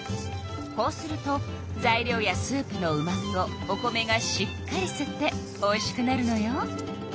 こうすると材料やスープのうまみをお米がしっかりすっておいしくなるのよ。